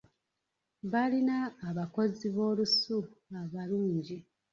Baalina abakozi b'olusu abalungi.